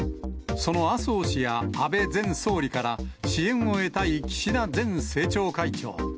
その麻生氏や安倍前総理から支援を得たい岸田前政調会長。